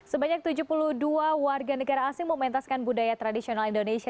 sebanyak tujuh puluh dua warga negara asing mementaskan budaya tradisional indonesia